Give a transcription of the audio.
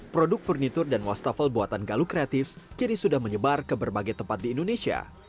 produk furnitur dan wastafel buatan galuk kreatif kini sudah menyebar ke berbagai tempat di indonesia